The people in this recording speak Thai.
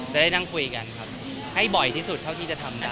ได้นั่งคุยกันครับให้บ่อยที่สุดเท่าที่จะทำได้